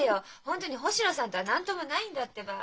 本当に星野さんとは何ともないんだってば。